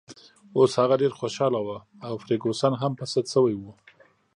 اوس هغه ډېره خوشحاله وه او فرګوسن هم په سد شوې وه.